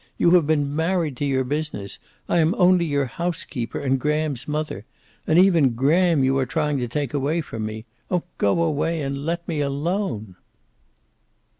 You have been married to your business. I am only your housekeeper, and Graham's mother. And even Graham you are trying to take away from me. Oh, go away and let me alone."